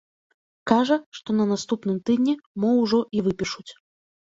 Кажа, што на наступным тыдні мо ўжо і выпішуць.